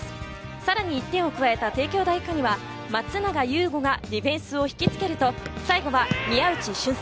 さらに１点を加えた帝京大可児は松永悠碁がディフェンスを引き付けると、最後は宮内俊輔。